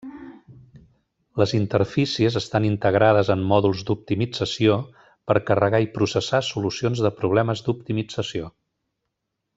Les interfícies estan integrades en mòduls d’optimització per carregar i processar solucions de problemes d’optimització.